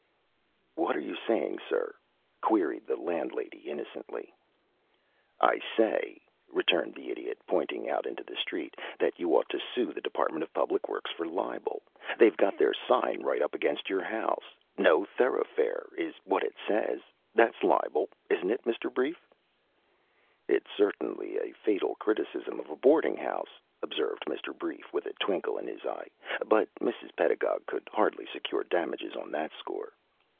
"What are you saying, sir?" queried the landlady, innocently. "I say," returned the Idiot, pointing out into the street, "that you ought to sue the Department of Public Works for libel. They've got their sign right up against your house. No Thorough Fare is what it says. That's libel, isn't it, Mr. Brief?" "It is certainly a fatal criticism of a boarding house," observed Mr. Brief, with a twinkle in his eye, "but Mrs. Pedagog could hardly secure damages on that score."